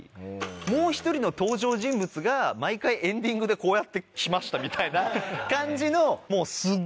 もう１人の登場人物が毎回エンディングでこうやって来ましたみたいな感じのもう。